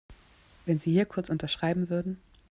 Wenn Sie hier kurz unterschreiben würden.